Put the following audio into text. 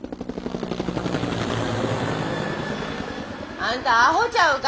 あんたアホちゃうか？